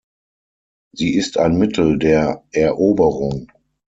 Sie ist ein Mittel der Eroberung.